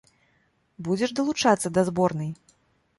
Будзеш далучацца да зборнай?